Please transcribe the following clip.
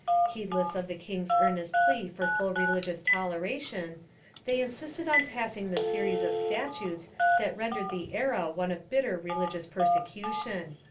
Heedless of the king's earnest plea for full reli gious toleration, they insisted on passing the series of statutes that rendered the era one of bitter religious persecution.